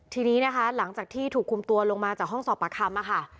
ทีนี้หลังจากที่ถูกคุมตัวลงมาจากห้องสอบปฏิคำ